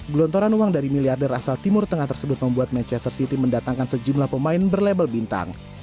gelontoran uang dari miliarder asal timur tengah tersebut membuat manchester city mendatangkan sejumlah pemain berlabel bintang